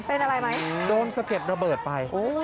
เป็นอะไรไหมโอ้โดนสะเก็บระเบิดไปโอ้